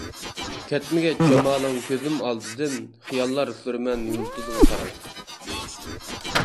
كەتمىگەچ جامالىڭ كۆزۈم ئالدىدىن، خىياللار سۈرىمەن يۇلتۇزغا قاراپ.